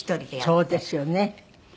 そうですよね。